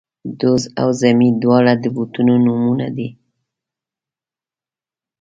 دوز او زمۍ، دواړه د بوټو نومونه دي